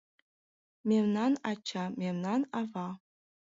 Мемнан ача, мемнан ава